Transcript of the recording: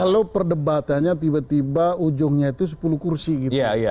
kalau perdebatannya tiba tiba ujungnya itu sepuluh kursi gitu